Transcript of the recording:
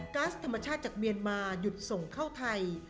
๊าซธรรมชาติจากเมียนมาหยุดส่งเข้าไทย